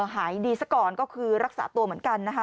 หายดีซะก่อนก็คือรักษาตัวเหมือนกันนะคะ